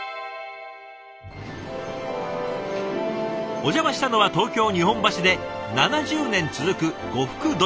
お邪魔したのは東京・日本橋で７０年続く呉服問屋。